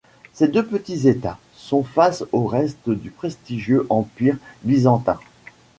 Ces deux petits états sont face aux restes du prestigieux empire byzantin.